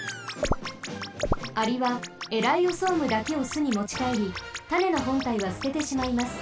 アリはエライオソームだけをすにもちかえりたねのほんたいはすててしまいます。